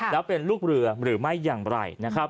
และเป็นลูกเรือหรือไม่อย่างไร